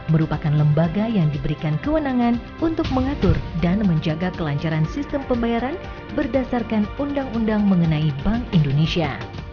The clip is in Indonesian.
merupakan lembaga yang diberikan kewenangan untuk mengatur dan menjaga kelancaran sistem pembayaran berdasarkan undang undang mengenai bank indonesia